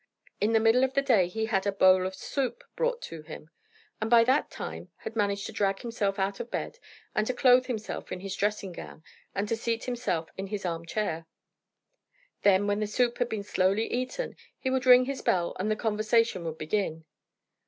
In the middle of the day he had a bowl of soup brought to him, and by that time had managed to drag himself out of bed, and to clothe himself in his dressing gown, and to seat himself in his arm chair. Then when the soup had been slowly eaten, he would ring his bell, and the conversation would begin.